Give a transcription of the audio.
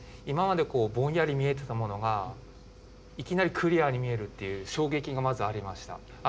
今までこうぼんやり見えてたものがいきなりクリアに見えるっていう衝撃がまずありました。